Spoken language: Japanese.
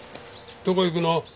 どこ行くの？